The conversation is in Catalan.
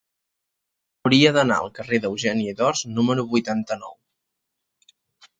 Hauria d'anar al carrer d'Eugeni d'Ors número vuitanta-nou.